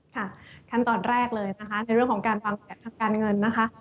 ขั้นตอนแรกเลยนะคะในเรื่องของการวางแผนทางการเงินนะคะ